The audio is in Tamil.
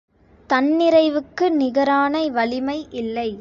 தன்னிறைவுக்கு நிகரான வலிமை இல்லை.